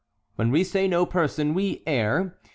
When we say no person, we err.